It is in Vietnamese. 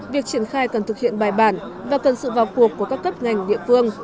việc triển khai cần thực hiện bài bản và cần sự vào cuộc của các cấp ngành địa phương